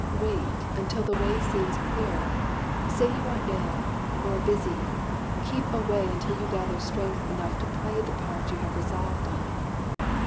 "Wait, until the way seems clearer: Say you are ill or busy: keep away Until you gather strength enough to play The part you have resolved on."